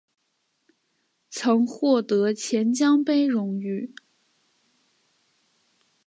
曾获得钱江杯荣誉。